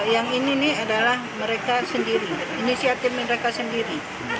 yang ini nih adalah mereka sendiri inisiatif mereka sendiri